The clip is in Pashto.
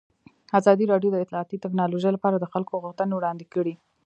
ازادي راډیو د اطلاعاتی تکنالوژي لپاره د خلکو غوښتنې وړاندې کړي.